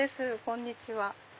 こんにちは。